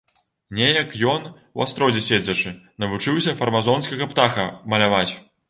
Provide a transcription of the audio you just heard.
Неяк ён, у астрозе седзячы, навучыўся фармазонскага птаха маляваць.